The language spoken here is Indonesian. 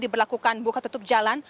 diberlakukan buka tutup jalan